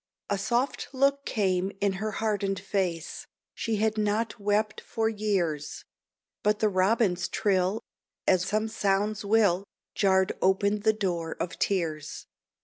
A soft look came in her hardened face She had not wept for years; But the robin's trill, as some sounds will, Jarred open the door of tears.